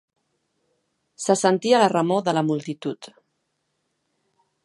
Se sentia la remor de la multitud.